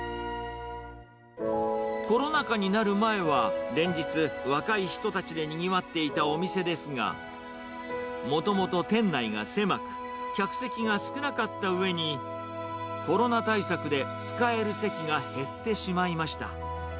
コロナ禍になる前は、連日、若い人たちでにぎわっていたお店ですが、もともと店内が狭く、客席が少なかったうえに、コロナ対策で使える席が減ってしまいました。